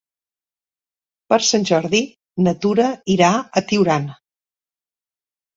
Per Sant Jordi na Tura irà a Tiurana.